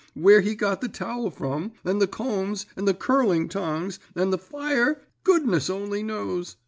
Where he got the towel from, and the combs, and the curling tongs, and the fire, goodness only knows.